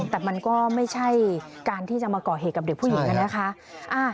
แต่มันก็ไม่ใช่การที่จะมาก่อเหตุกับเด็กผู้หญิงน่ะนะคะ